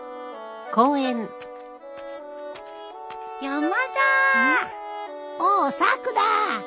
おおさくら。